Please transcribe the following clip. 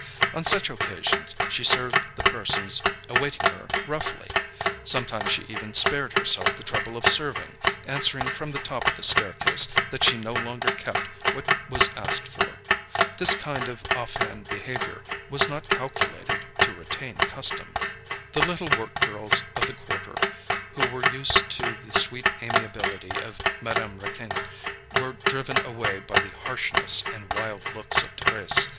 On such occasions she served the persons awaiting her roughly; sometimes she even spared herself the trouble of serving, answering from the top of the staircase, that she no longer kept what was asked for. This kind of off hand behaviour, was not calculated to retain custom. The little work girls of the quarter, who were used to the sweet amiability of Madame Raquin, were driven away by the harshness and wild looks of Thérèse.